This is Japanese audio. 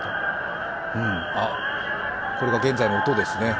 これが現在の音ですね。